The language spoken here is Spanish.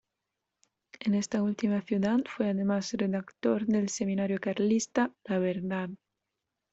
En esta última ciudad fue además redactor del semanario carlista "La Verdad".